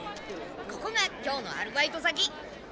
ここが今日のアルバイト先。